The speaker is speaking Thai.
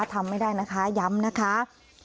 ทำไม่ได้นะคะย้ำนะคะ